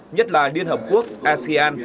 nhất là điên hợp quốc asean